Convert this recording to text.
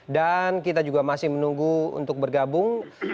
dan kita juga masih menunggu untuk bergabung